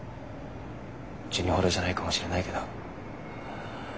ジュニほどじゃないかもしれないけど。